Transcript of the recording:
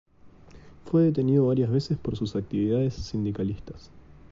Fue detenido varias veces por sus actividades sindicalistas.